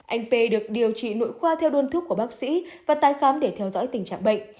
anh p được điều trị nội khoa theo đuôn thức của bác sĩ và tai khám để theo dõi tình trạng bệnh